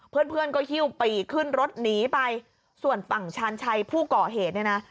เพื่อนเพื่อนก็หิ้วปีกขึ้นรถหนีไปส่วนฝั่งชาญชัยผู้ก่อเหตุเนี่ยนะ